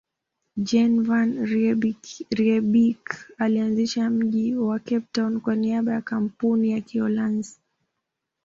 Jan van Riebeeck alianzisha mji wa Cape Town kwa niaba ya Kampuni ya Kiholanzi